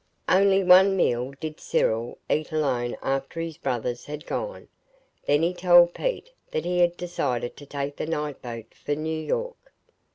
Only one meal did Cyril eat alone after his brothers had gone; then he told Pete that he had decided to take the night boat for New York.